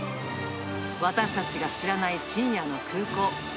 私たちが知らない深夜の空港。